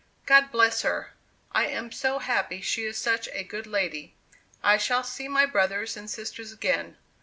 "God bless her! I am so happy; she is such a good lady. I shall see my brothers and sisters again.